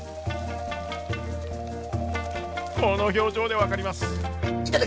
この表情で分かります。